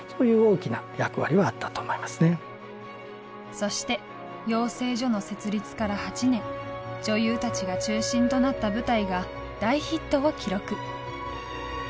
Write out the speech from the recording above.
そして養成所の設立から８年女優たちが中心となった舞台が大ヒットを記録。